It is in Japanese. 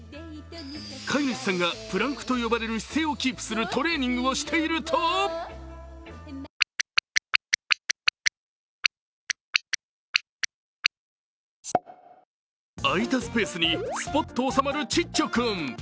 飼い主さんがプランクと呼ばれる姿勢をキープするトレーニングをしていると空いたスペースにすぽっとおさまるちっちょ君。